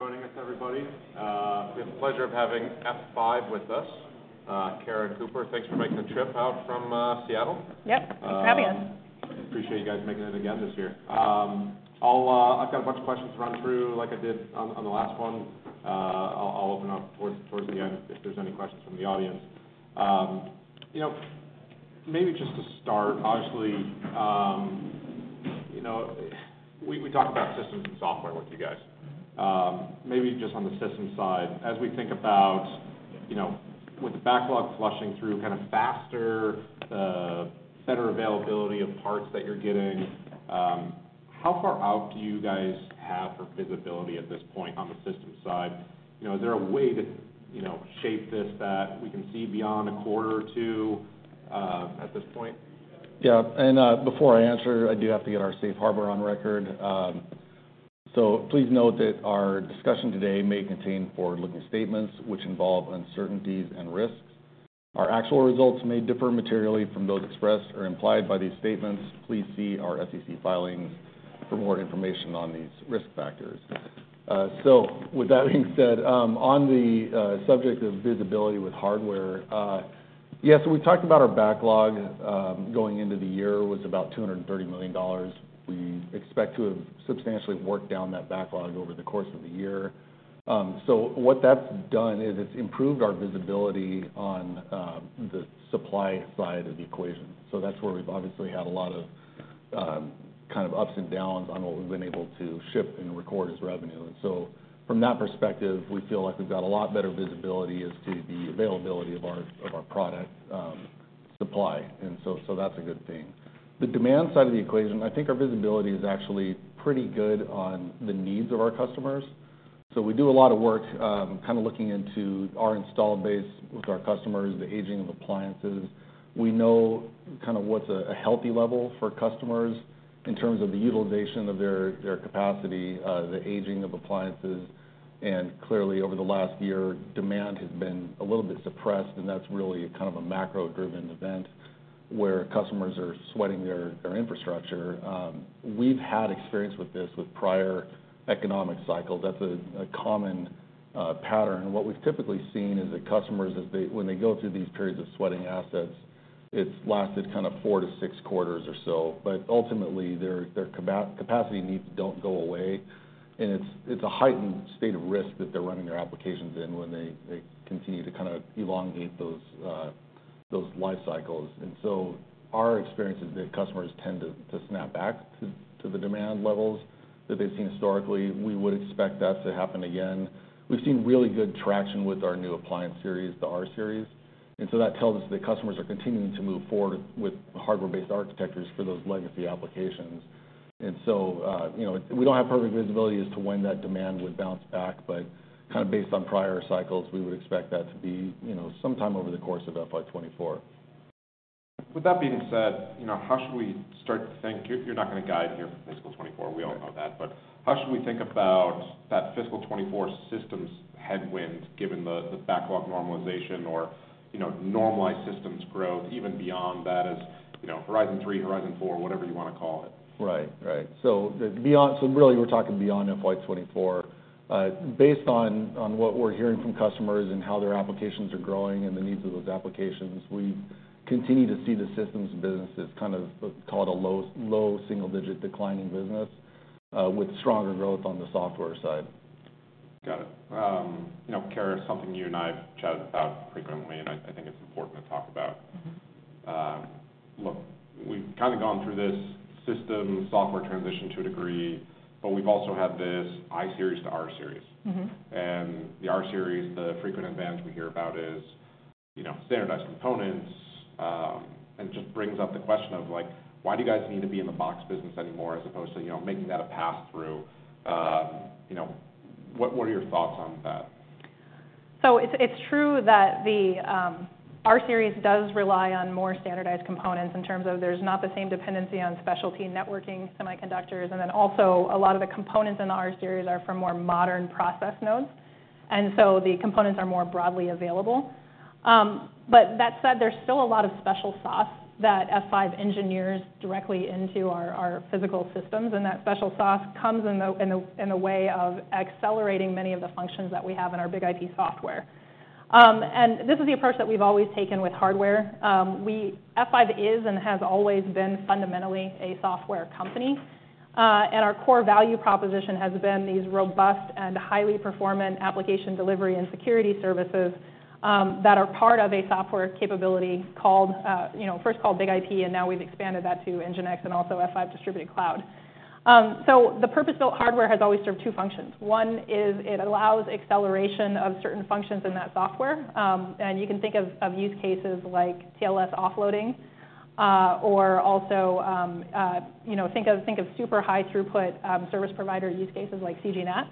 Joining us, everybody. We have the pleasure of having F5 with us. Kara and Cooper, thanks for making the trip out from Seattle. Yep. Thanks for having us. Appreciate you guys making it again this year. I'll, I've got a bunch of questions to run through, like I did on the last one. I'll open up towards the end if there's any questions from the audience. You know, maybe just to start, obviously, you know, we talked about systems and software with you guys. Maybe just on the systems side, as we think about, you know, with the backlog flushing through kind of faster, better availability of parts that you're getting, how far out do you guys have for visibility at this point on the systems side? You know, is there a way to, you know, shape this, that we can see beyond a quarter or two, at this point? Yeah. And, before I answer, I do have to get our safe harbor on record. So please note that our discussion today may contain forward-looking statements, which involve uncertainties and risks. Our actual results may differ materially from those expressed or implied by these statements. Please see our SEC filings for more information on these risk factors. So with that being said, on the subject of visibility with hardware, yeah, so we talked about our backlog, going into the year was about $230 million. We expect to have substantially worked down that backlog over the course of the year. So what that's done is it's improved our visibility on, the supply side of the equation. So that's where we've obviously had a lot of, kind of ups and downs on what we've been able to ship and record as revenue. And so from that perspective, we feel like we've got a lot better visibility as to the availability of our, of our product, supply. And so, so that's a good thing. The demand side of the equation, I think our visibility is actually pretty good on the needs of our customers. So we do a lot of work, kind of looking into our installed base with our customers, the aging of appliances. We know kind of what's a healthy level for customers in terms of the utilization of their capacity, the aging of appliances, and clearly, over the last year, demand has been a little bit suppressed, and that's really kind of a macro-driven event, where customers are sweating their infrastructure. We've had experience with this with prior economic cycles. That's a common pattern. What we've typically seen is that customers, when they go through these periods of sweating assets, it's lasted kind of four to six quarters or so. But ultimately, their capacity needs don't go away, and it's a heightened state of risk that they're running their applications in when they continue to kind of elongate those life cycles. Our experience is that customers tend to snap back to the demand levels that they've seen historically. We would expect that to happen again. We've seen really good traction with our new appliance series, the rSeries, and so that tells us that customers are continuing to move forward with hardware-based architectures for those legacy applications. So, you know, we don't have perfect visibility as to when that demand would bounce back, but kind of based on prior cycles, we would expect that to be, you know, sometime over the course of FY 2024. With that being said, you know, how should we start to think— You, you're not going to guide here for fiscal 2024, we all know that. But how should we think about that fiscal 2024 systems headwind, given the, the backlog normalization or, you know, normalized systems growth, even beyond that, as, you know, horizon three, horizon four, whatever you want to call it? Right. Right. So really, we're talking beyond FY 2024. Based on what we're hearing from customers and how their applications are growing and the needs of those applications, we continue to see the systems business as kind of call it a low single-digit declining business with stronger growth on the software side. Got it. You know, Kara, something you and I have chatted about frequently, and I think it's important to talk about. Look, we've kind of gone through this system software transition to a degree, but we've also had this iSeries to rSeries. Mm-hmm. The rSeries, the frequent advantage we hear about is, you know, standardized components, and just brings up the question of, like, why do you guys need to be in the box business anymore, as opposed to, you know, making that a pass-through? You know, what are your thoughts on that? So it's true that the rSeries does rely on more standardized components in terms of there's not the same dependency on specialty networking semiconductors, and then also a lot of the components in the rSeries are from more modern process nodes, and so the components are more broadly available. But that said, there's still a lot of special sauce that F5 engineers directly into our physical systems, and that special sauce comes in the way of accelerating many of the functions that we have in our BIG-IP software. And this is the approach that we've always taken with hardware. F5 is, and has always been, fundamentally a software company, and our core value proposition has been these robust and highly performant application delivery and security services, that are part of a software capability called, you know, first called BIG-IP, and now we've expanded that to NGINX and also F5 Distributed Cloud. So the purpose-built hardware has always served two functions. One is it allows acceleration of certain functions in that software, and you can think of use cases like TLS offloading, or also, you know, think of super high throughput, service provider use cases like CGNAT.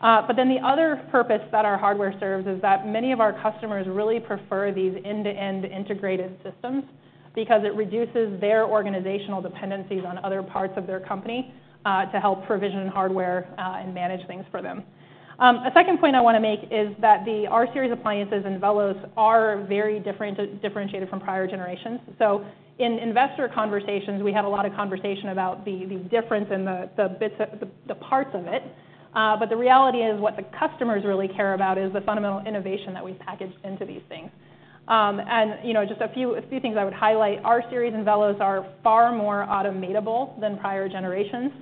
But then the other purpose that our hardware serves is that many of our customers really prefer these end-to-end integrated systems because it reduces their organizational dependencies on other parts of their company, to help provision hardware, and manage things for them. A second point I want to make is that the rSeries appliances and VELOS are very different, differentiated from prior generations. So in investor conversations, we have a lot of conversation about the difference in the bits, the parts of it, but the reality is, what the customers really care about is the fundamental innovation that we've packaged into these things. And, you know, just a few things I would highlight, our rSeries and VELOS are far more automatable than prior generations.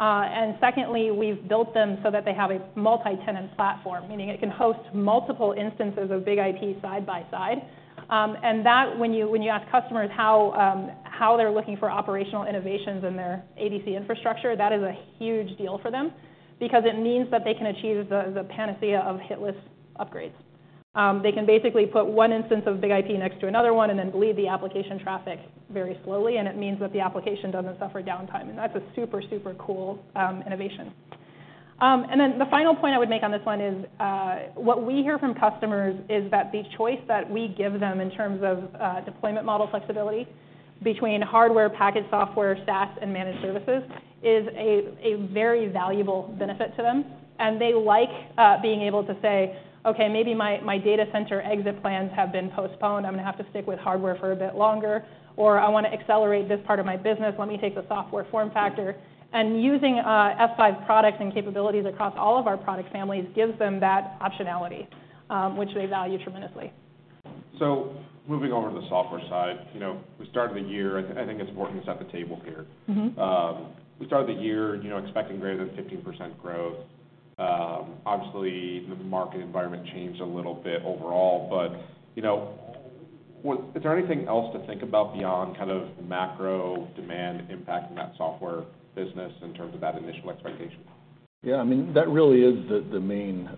And secondly, we've built them so that they have a multi-tenant platform, meaning it can host multiple instances of BIG-IP side by side. And that—when you, when you ask customers how, how they're looking for operational innovations in their ADC infrastructure, that is a huge deal for them because it means that they can achieve the, the panacea of hitless upgrades. They can basically put one instance of BIG-IP next to another one and then bleed the application traffic very slowly, and it means that the application doesn't suffer downtime, and that's a super, super cool innovation. And then the final point I would make on this one is what we hear from customers is that the choice that we give them in terms of deployment model flexibility between hardware, packaged software, SaaS, and managed services is a very valuable benefit to them. And they like being able to say, "Okay, maybe my data center exit plans have been postponed. I'm going to have to stick with hardware for a bit longer," or, "I want to accelerate this part of my business, let me take the software form factor." And using F5 products and capabilities across all of our product families gives them that optionality, which they value tremendously. Moving over to the software side, you know, we started the year. I think it's important to set the table here. Mm-hmm. We started the year, you know, expecting greater than 15% growth. Obviously, the market environment changed a little bit overall, but, you know, is there anything else to think about beyond kind of the macro demand impacting that software business in terms of that initial expectation? Yeah, I mean, that really is the main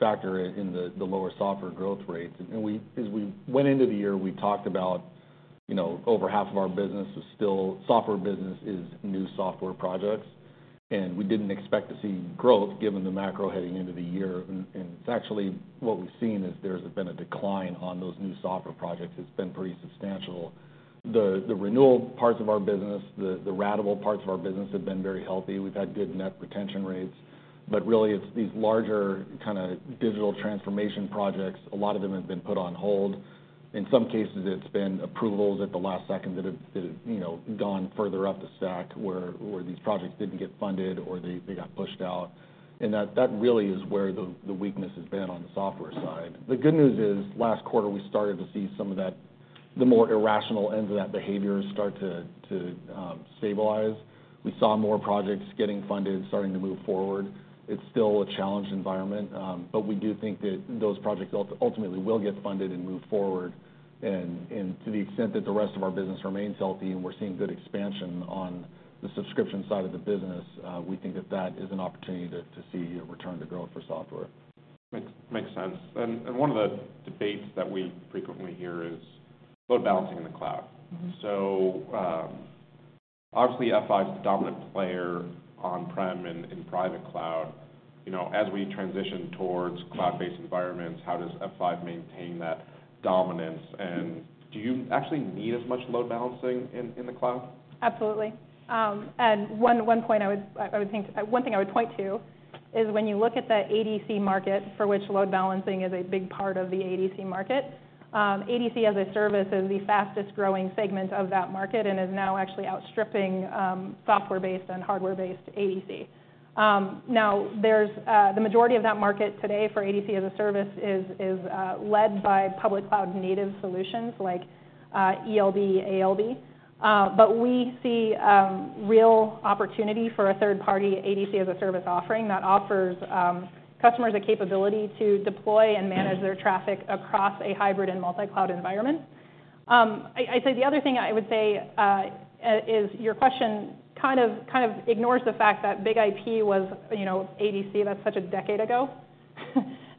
factor in the lower software growth rates. And as we went into the year, we talked about, you know, over half of our business was still software business is new software projects, and we didn't expect to see growth given the macro heading into the year. And it's actually what we've seen is there's been a decline on those new software projects. It's been pretty substantial. The renewal parts of our business, the ratable parts of our business have been very healthy. We've had good net retention rates, but really, it's these larger kind of digital transformation projects, a lot of them have been put on hold. In some cases, it's been approvals at the last second that have, you know, gone further up the stack, where these projects didn't get funded or they got pushed out. And that really is where the weakness has been on the software side. The good news is, last quarter, we started to see some of that. The more irrational ends of that behavior start to stabilize. We saw more projects getting funded and starting to move forward. It's still a challenged environment, but we do think that those projects ultimately will get funded and move forward. And to the extent that the rest of our business remains healthy, and we're seeing good expansion on the subscription side of the business, we think that that is an opportunity to see a return to growth for software. Makes sense. And one of the debates that we frequently hear is load balancing in the cloud. Mm-hmm. So, obviously, F5's the dominant player on-prem and in private cloud. You know, as we transition towards cloud-based environments, how does F5 maintain that dominance? And do you actually need as much load balancing in the cloud? Absolutely. And one point I would think, one thing I would point to is when you look at the ADC market, for which load balancing is a big part of the ADC market, ADC as a Service is the fastest growing segment of that market and is now actually outstripping software-based and hardware-based ADC. Now, the majority of that market today for ADC as a Service is led by public cloud-native solutions like ELB, ALB. We see real opportunity for a third-party ADC as a Service offering that offers customers a capability to deploy and manage their traffic across a hybrid and multi-cloud environment. I'd say the other thing I would say is your question kind of ignores the fact that BIG-IP was, you know, ADC, that's such a decade ago.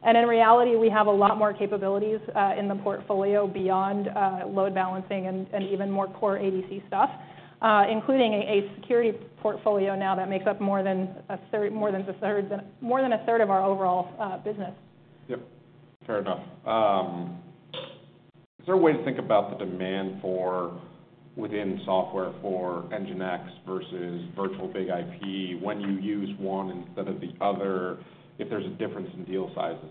In reality, we have a lot more capabilities in the portfolio beyond load balancing and even more core ADC stuff, including a security portfolio now that makes up more than a third, more than a third of, more than a third of our overall business. Yep, fair enough. Is there a way to think about the demand for within software for NGINX versus virtual BIG-IP, when you use one instead of the other, if there's a difference in deal sizes?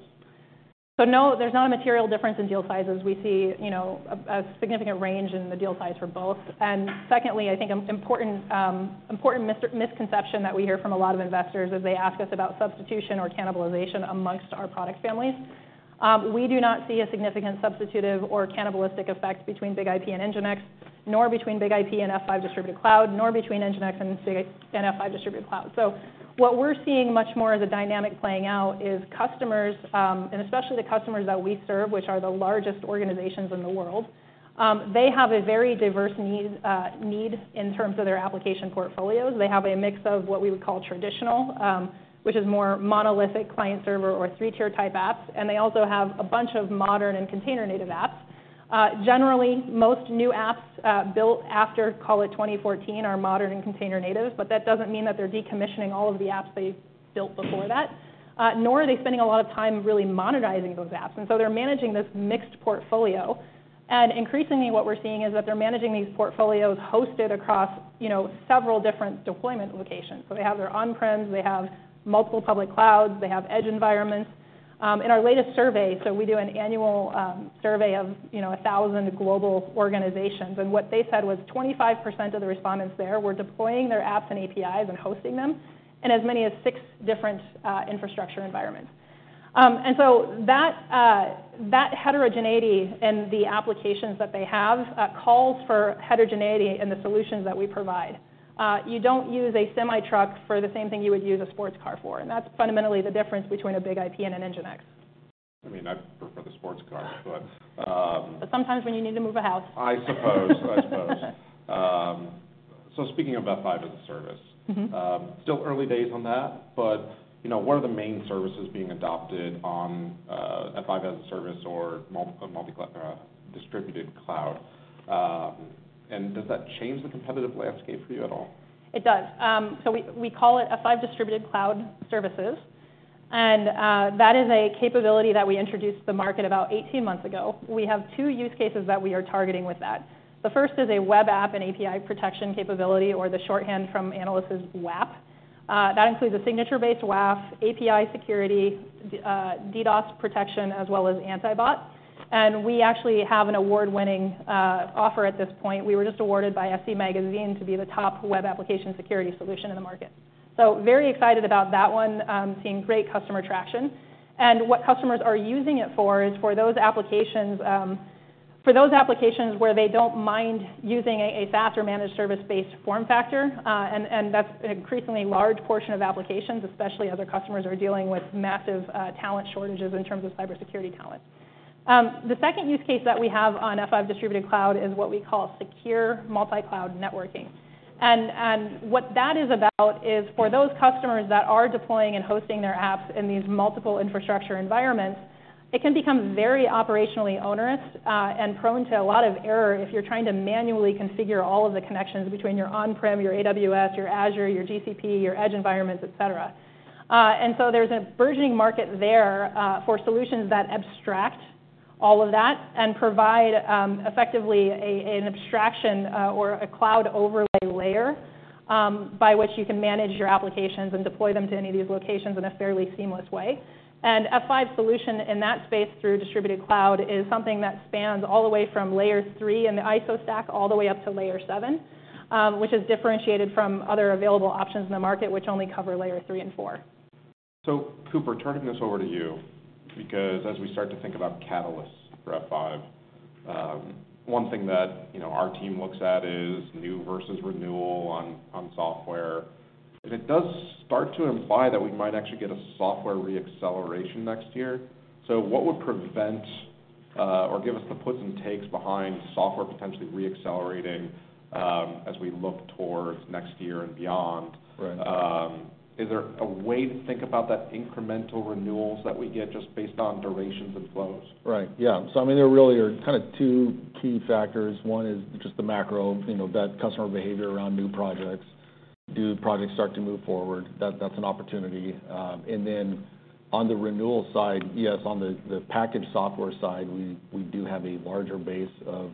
So no, there's not a material difference in deal sizes. We see, you know, a significant range in the deal size for both. And secondly, I think an important misconception that we hear from a lot of investors is they ask us about substitution or cannibalization amongst our product families. We do not see a significant substitutive or cannibalistic effect between BIG-IP and NGINX, nor between BIG-IP and F5 Distributed Cloud, nor between NGINX and F5 Distributed Cloud. So what we're seeing much more as a dynamic playing out is customers, and especially the customers that we serve, which are the largest organizations in the world, they have a very diverse need in terms of their application portfolios. They have a mix of what we would call traditional, which is more monolithic client-server or three-tier type apps, and they also have a bunch of modern and container-native apps. Generally, most new apps, built after, call it 2014, are modern and container native, but that doesn't mean that they're decommissioning all of the apps they've built before that, nor are they spending a lot of time really modernizing those apps. And so they're managing this mixed portfolio. And increasingly, what we're seeing is that they're managing these portfolios hosted across, you know, several different deployment locations. So they have their on-prems, they have multiple public clouds, they have edge environments. In our latest survey, so we do an annual survey of, you know, 1,000 global organizations, and what they said was 25% of the respondents there were deploying their apps and APIs and hosting them in as many as six different infrastructure environments. And so that heterogeneity in the applications that they have calls for heterogeneity in the solutions that we provide. You don't use a semi-truck for the same thing you would use a sports car for, and that's fundamentally the difference between a BIG-IP and an NGINX. I mean, I'd prefer the sports car, but, But sometimes when you need to move a house. I suppose. I suppose. So, speaking of F5 as a service- Mm-hmm. Still early days on that, but, you know, what are the main services being adopted on F5 as a service or multicloud distributed cloud? And does that change the competitive landscape for you at all? It does. So we call it F5 Distributed Cloud Services, and that is a capability that we introduced to the market about 18 months ago. We have two use cases that we are targeting with that. The first is a web app and API protection capability, or the shorthand from analysts is WAF. That includes a signature-based WAF, API security, DDoS protection, as well as anti-bot. And we actually have an award-winning offer at this point. We were just awarded by SC Magazine to be the top web application security solution in the market. So very excited about that one, seeing great customer traction. And what customers are using it for is for those applications where they don't mind using a SaaS or managed service-based form factor, and that's an increasingly large portion of applications, especially as our customers are dealing with massive talent shortages in terms of cybersecurity talent. The second use case that we have on F5 Distributed Cloud is what we call secure multi-cloud networking. And what that is about is for those customers that are deploying and hosting their apps in these multiple infrastructure environments, it can become very operationally onerous and prone to a lot of error if you're trying to manually configure all of the connections between your on-prem, your AWS, your Azure, your GCP, your edge environments, et cetera. And so there's a burgeoning market there, for solutions that abstract all of that and provide, effectively, an abstraction, or a cloud overlay layer, by which you can manage your applications and deploy them to any of these locations in a fairly seamless way. F5's solution in that space through Distributed Cloud is something that spans all the way from Layer 3 in the ISO stack, all the way up to Layer 7, which is differentiated from other available options in the market, which only cover Layer 3 and 4. So, Cooper, turning this over to you, because as we start to think about catalysts for F5, one thing that, you know, our team looks at is new versus renewal on software. And it does start to imply that we might actually get a software re-acceleration next year. So what would prevent, or give us the puts and takes behind software potentially re-accelerating, as we look towards next year and beyond? Right. Is there a way to think about that incremental renewals that we get just based on durations and flows? Right. Yeah. So I mean, there really are kind of two key factors. One is just the macro, you know, that customer behavior around new projects. Do projects start to move forward? That's an opportunity. And then on the renewal side, yes, on the packaged software side, we do have a larger base of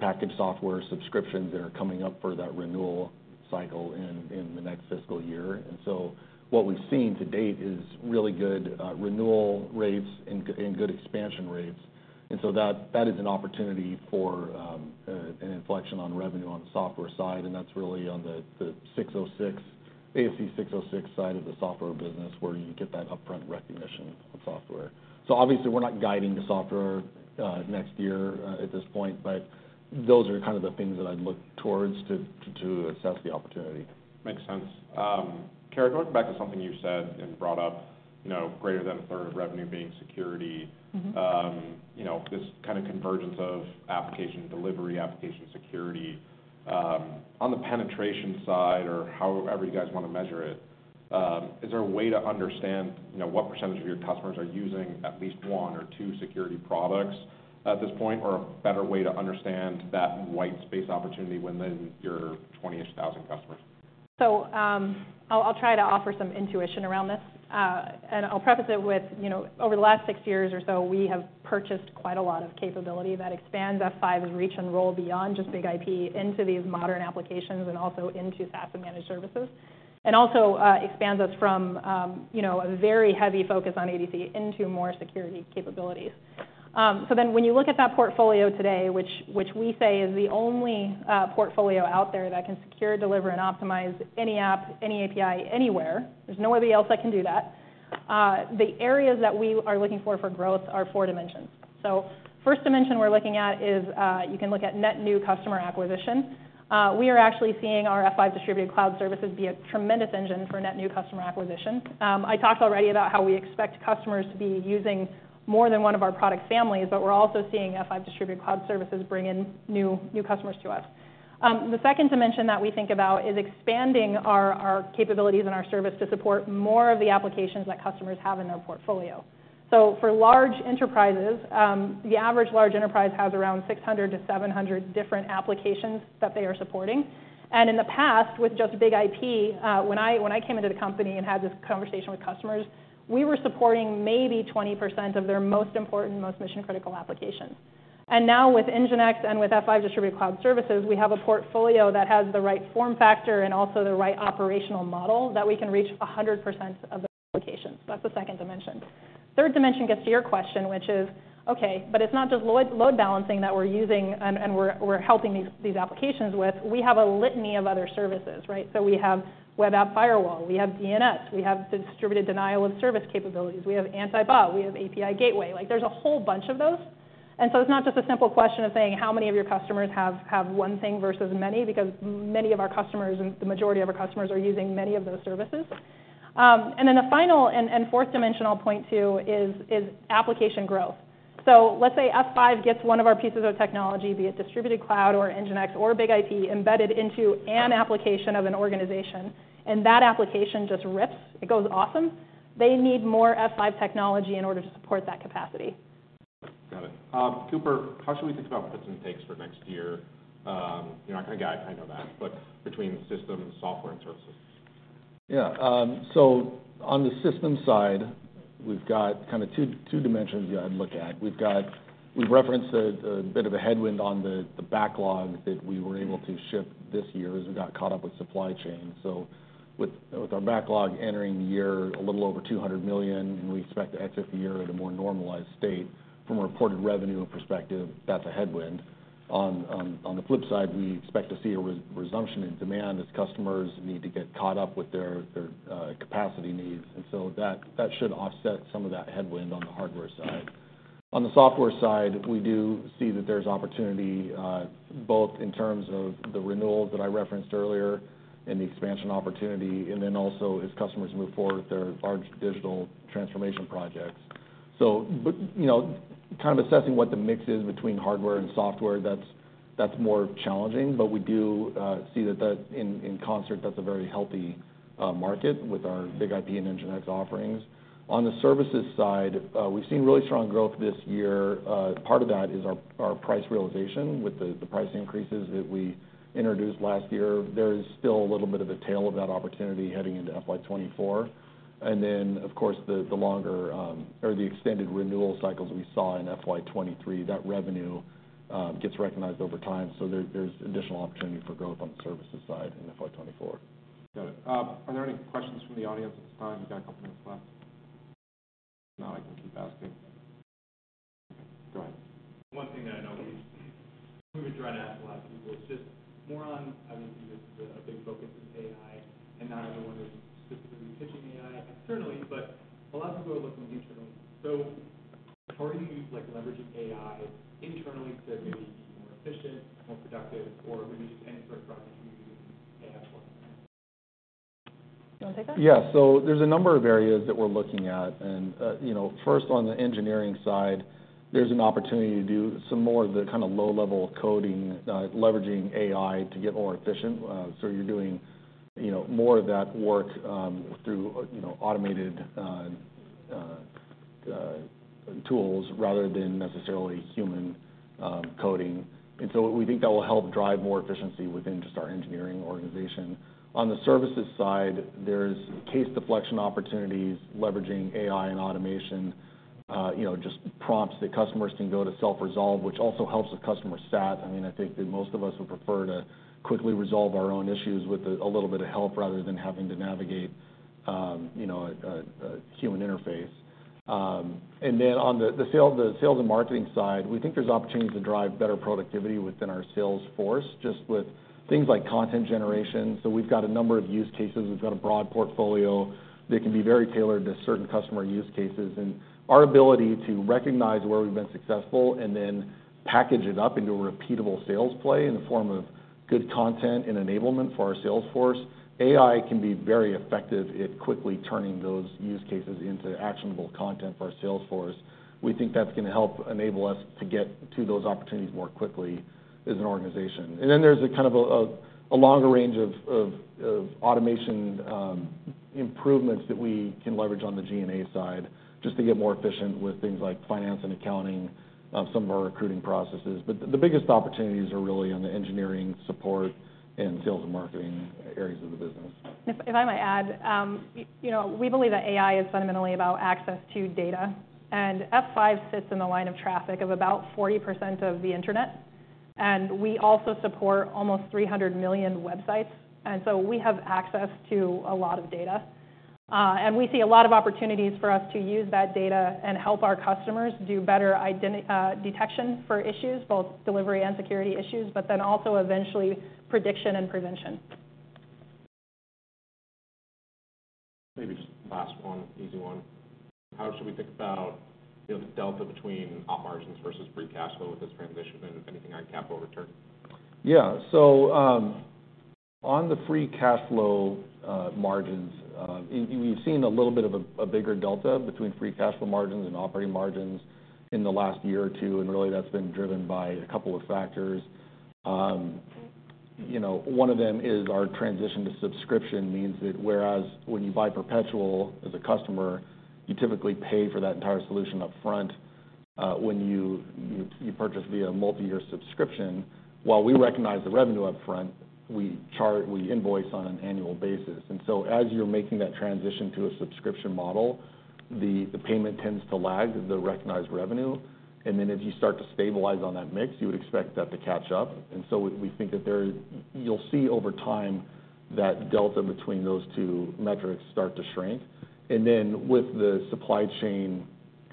packaged software subscriptions that are coming up for that renewal cycle in the next fiscal year. And so what we've seen to date is really good renewal rates and good expansion rates, and so that is an opportunity for an inflection on revenue on the software side, and that's really on the 606, ASC 606 side of the software business, where you get that upfront recognition of software. Obviously, we're not guiding the software next year at this point, but those are kind of the things that I'd look towards to assess the opportunity. Makes sense. Kara, going back to something you said and brought up, you know, greater than a third of revenue being security- Mm-hmm. You know, this kind of convergence of application delivery, application security. On the penetration side, or however you guys want to measure it, is there a way to understand, you know, what percentage of your customers are using at least one or two security products at this point, or a better way to understand that white space opportunity within your 20-ish thousand customers? So, I'll try to offer some intuition around this, and I'll preface it with, you know, over the last six years or so, we have purchased quite a lot of capability that expands F5's reach and role beyond just BIG-IP into these modern applications and also into SaaS and managed services, and also expands us from, you know, a very heavy focus on ADC into more security capabilities. So then, when you look at that portfolio today, which we say is the only portfolio out there that can secure, deliver, and optimize any app, any API, anywhere, there's nobody else that can do that. The areas that we are looking for growth are four dimensions. So first dimension we're looking at is, you can look at net new customer acquisition. We are actually seeing our F5 Distributed Cloud Services be a tremendous engine for net new customer acquisition. I talked already about how we expect customers to be using more than one of our product families, but we're also seeing F5 Distributed Cloud Services bring in new customers to us. The second dimension that we think about is expanding our capabilities and our service to support more of the applications that customers have in their portfolio. So for large enterprises, the average large enterprise has around 600-700 different applications that they are supporting. And in the past, with just BIG-IP, when I came into the company and had this conversation with customers, we were supporting maybe 20% of their most important, most mission-critical applications. And now with NGINX and with F5 Distributed Cloud Services, we have a portfolio that has the right form factor and also the right operational model that we can reach 100% of the applications. That's the second dimension. Third dimension gets to your question, which is, okay, but it's not just load balancing that we're using and we're helping these applications with. We have a litany of other services, right? So we have web app firewall, we have DNS, we have the distributed denial of service capabilities, we have anti-bot, we have API gateway. Like, there's a whole bunch of those. And so it's not just a simple question of saying, how many of your customers have one thing versus many, because many of our customers, and the majority of our customers, are using many of those services. And then the final fourth dimensional point, too, is application growth. So let's say F5 gets one of our pieces of technology, be it Distributed Cloud, or NGINX, or BIG-IP, embedded into an application of an organization, and that application just rips. It goes awesome. They need more F5 technology in order to support that capacity. Got it. Cooper, how should we think about puts and takes for next year? You're not gonna guide, I know that, but between systems, software, and services? Yeah, so on the system side, we've got kind of two dimensions you gotta look at. We've referenced a bit of a headwind on the backlog that we were able to ship this year, as we got caught up with supply chain. So with our backlog entering the year a little over $200 million, and we expect to exit the year at a more normalized state, from a reported revenue perspective, that's a headwind. On the flip side, we expect to see a resumption in demand as customers need to get caught up with their capacity needs. And so that should offset some of that headwind on the hardware side. On the software side, we do see that there's opportunity, both in terms of the renewals that I referenced earlier and the expansion opportunity, and then also as customers move forward with their large digital transformation projects. So but, you know, kind of assessing what the mix is between hardware and software, that's, that's more challenging, but we do see that that in, in concert, that's a very healthy market with our BIG-IP and NGINX offerings. On the services side, we've seen really strong growth this year. Part of that is our, our price realization with the, the price increases that we introduced last year. There is still a little bit of a tail of that opportunity heading into FY 2024. And then, of course, the longer or the extended renewal cycles we saw in FY 2023, that revenue gets recognized over time, so there's additional opportunity for growth on the services side in FY 2024. Got it. Are there any questions from the audience at this time? We've got a couple minutes left. If not, I can keep asking. Go ahead. One thing that I know we've been trying to ask a lot of people is just more on, obviously, there's been a big focus on AI, and not everyone is specifically pitching AI, certainly, but a lot of people are looking internally. So how are you, like, leveraging AI internally to maybe be more efficient, more productive, or maybe just any sort of projects you're using AI for? You wanna take that? Yeah. So there's a number of areas that we're looking at. And, you know, first, on the engineering side, there's an opportunity to do some more of the kind of low-level coding, leveraging AI to get more efficient. So you're doing, you know, more of that work, through, you know, automated tools rather than necessarily human coding. And so we think that will help drive more efficiency within just our engineering organization. On the services side, there's case deflection opportunities, leveraging AI and automation, you know, just prompts that customers can go to self-resolve, which also helps the customer stat. I mean, I think that most of us would prefer to quickly resolve our own issues with a little bit of help rather than having to navigate, you know, a human interface. And then on the sales and marketing side, we think there's opportunity to drive better productivity within our sales force, just with things like content generation. So we've got a number of use cases. We've got a broad portfolio that can be very tailored to certain customer use cases. And our ability to recognize where we've been successful and then package it up into a repeatable sales play in the form of good content and enablement for our sales force, AI can be very effective at quickly turning those use cases into actionable content for our sales force. We think that's gonna help enable us to get to those opportunities more quickly as an organization. And then there's a kind of longer range of automation improvements that we can leverage on the G&A side, just to get more efficient with things like finance and accounting, some of our recruiting processes. But the biggest opportunities are really on the engineering, support, and sales and marketing areas of the business. If I might add, you know, we believe that AI is fundamentally about access to data, and F5 sits in the line of traffic of about 40% of the internet, and we also support almost 300 million websites, and so we have access to a lot of data. And we see a lot of opportunities for us to use that data and help our customers do better detection for issues, both delivery and security issues, but then also eventually, prediction and prevention. Maybe just last one, easy one. How should we think about, you know, the delta between op margins versus free cash flow with this transition and anything on capital return? Yeah. So, on the free cash flow margins, you've seen a little bit of a bigger delta between free cash flow margins and operating margins in the last year or two, and really, that's been driven by a couple of factors. You know, one of them is our transition to subscription means that whereas when you buy perpetual as a customer, you typically pay for that entire solution upfront. When you purchase via a multi-year subscription, while we recognize the revenue upfront, we chart, we invoice on an annual basis. And so as you're making that transition to a subscription model, the payment tends to lag the recognized revenue, and then if you start to stabilize on that mix, you would expect that to catch up. And so we think that you'll see over time that delta between those two metrics start to shrink. And then, with the supply chain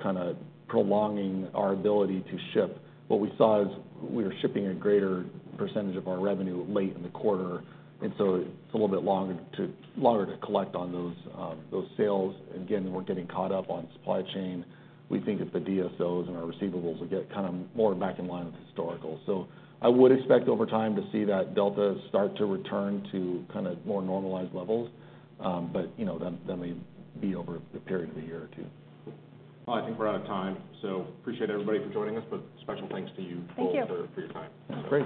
kind of prolonging our ability to ship, what we saw is we were shipping a greater percentage of our revenue late in the quarter, and so it's a little bit longer to collect on those sales. Again, we're getting caught up on supply chain. We think that the DSOs and our receivables will get kind of more back in line with historical. So I would expect over time to see that delta start to return to kind of more normalized levels. But, you know, that may be over a period of a year or two. Well, I think we're out of time, so appreciate everybody for joining us, but special thanks to you both- Thank you... for your time. Great.